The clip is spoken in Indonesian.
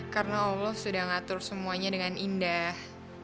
dan allah sudah ngatur semuanya dengan indah